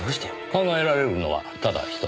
考えられるのはただ一つ。